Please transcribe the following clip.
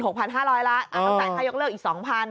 ต้องจ่ายค่ายกเลิกอีก๒๐๐๐